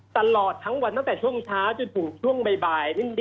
ตลอดทั้งวันตั้งแต่ช่วงเช้าจนถึงช่วงบ่าย